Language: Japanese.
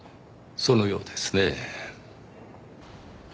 そのようですねぇ。